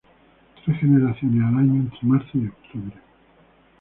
Tres generaciones al año entre marzo y octubre.